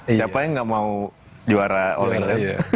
siapa yang enggak mau juara olingan